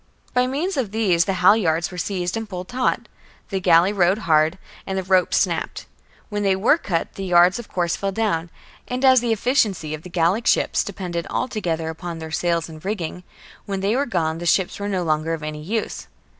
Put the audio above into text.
^ By means of these the halyards were seized and pulled taut : the galley rowed hard ; and the ropes snapped. When they were cut, the yards of course fell down ; and as the efficiency of the Gallic ships depended altogether upon their sails and rigging, when they were gone the ships were no longer of any use.